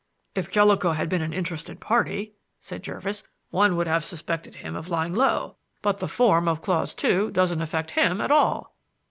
"If Jellicoe had been an interested party," said Jervis, "one would have suspected him of lying low. But the form of clause two doesn't affect him at all."